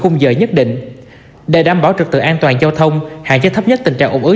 khung giờ nhất định để đảm bảo trực tự an toàn giao thông hạn chất thấp nhất tình trạng ổn ứa